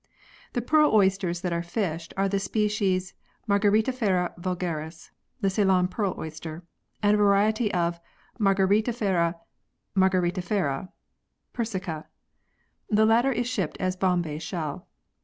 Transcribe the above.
The pearl oysters that are fished are the species Margaritifera vulgaris (the Ceylon Pearl Oyster) and a variety of Margaritifera margaritifera (per sica). The latter is shipped as Bombay shell.